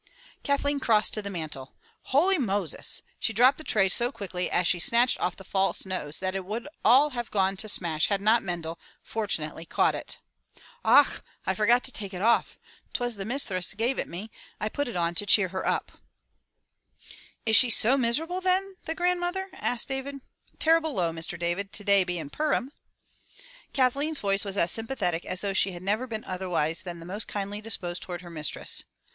Kathleen crossed to the mantel. "Houly Moses." She dropped the tray so quickly as she snatched off the false nose that it would all have gone to smash had not Mendel, fortu nately, caught it. "Och, I forgot to take it off — 'twas the misthress gave it me — I put it on to cheer her up." 195 MY BOOK HOUSE Is she SO miserable then, the grandmother?*' asked David. "Terrible low, Mr. David, today bein' Purim/' Kathleen's voice was as sympathetic as though she had never been otherwise than most kindly disposed toward her mistress.